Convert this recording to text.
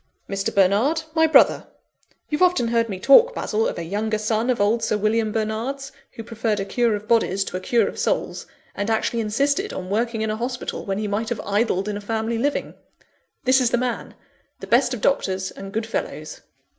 Mr. Bernard my brother. You've often heard me talk, Basil, of a younger son of old Sir William Bernard's, who preferred a cure of bodies to a cure of souls; and actually insisted on working in a hospital when he might have idled in a family living. This is the man the best of doctors and good fellows."